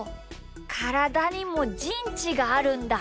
からだにもじんちがあるんだ。